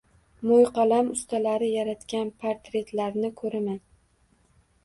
Mo‘yqalam ustalari yaratgan portretlarni ko‘raman